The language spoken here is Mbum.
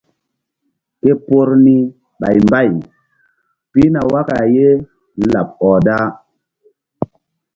Ke por ni ɓa mbay pihna waka ye laɓ ɔh da.